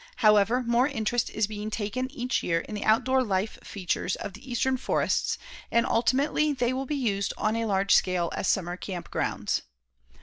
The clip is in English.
However, more interest is being taken each year in the outdoor life features of the eastern forests, and ultimately they will be used on a large scale as summer camp grounds.